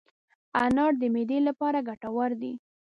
انار د معدې لپاره ګټور دی.